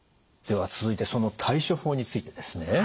では続いてその対処法についてですね。